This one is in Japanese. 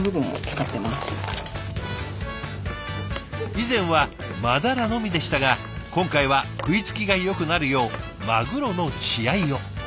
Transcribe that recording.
以前はマダラのみでしたが今回は食いつきがよくなるようマグロの血合いを。